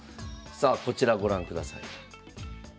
さあこちらご覧ください。